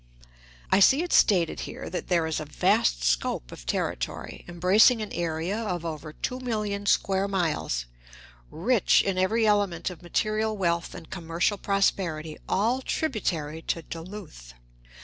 I see it stated here that there is a vast scope of territory, embracing an area of over two million square miles, rich in every element of material wealth and commercial prosperity, all tributary to Duluth.